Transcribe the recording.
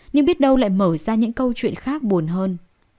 nhưng biết đâu lại mở ra những câu chuyện khác buồn hơn